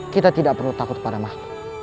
kita tidak perlu takut pada mah